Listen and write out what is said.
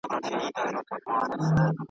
پیغام د ښکلیو کلماتو، استعارو، .